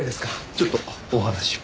ちょっとお話を。